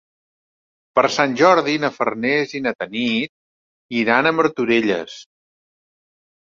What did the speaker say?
Per Sant Jordi na Farners i na Tanit aniran a Martorelles.